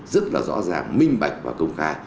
rất là rõ ràng minh bạch và công khai